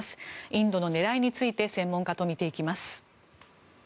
インドの狙いについて専門家と見ていきます。